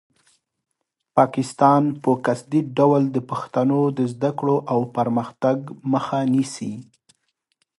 پاکستان په قصدي ډول د پښتنو د زده کړو او پرمختګ مخه نیسي.